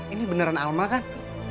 ini beneran alma kan